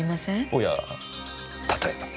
おや例えば？